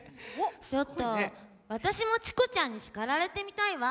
ちょっと私もチコちゃんに叱られてみたいわ。